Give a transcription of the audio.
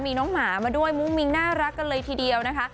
มีน้องหมามาด้วยมุ้งมิ้งน่ารักกันเลยทีเดียวนะคะ